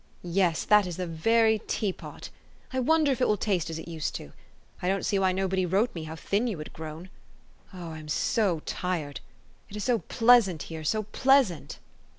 Yes, that is the very teapot. I wonder if it will taste as it used to. I don't see why nobody wrote me how thin you had grown. Oh, I am so tired ! It is so pleasant here, so pleasant